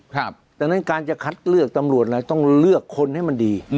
ดังนั้นการจะคัดเลือกตำรวจอะไรต้องเลือกคนให้มันดี